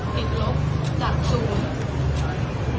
ติดลบจากศูนย์